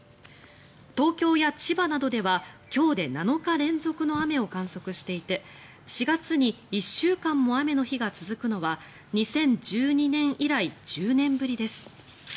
東京や千葉などでは、今日で７日連続の雨を観測していて４月に１週間も雨の日が続くのは２０１２年以来１０年ぶりです。